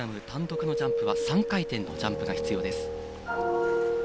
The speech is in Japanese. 単独のジャンプは３回転のジャンプが必要です。